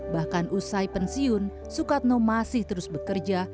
bahkan usai pensiun sukatno masih terus bekerja